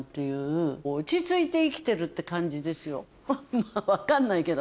まぁ分かんないけど。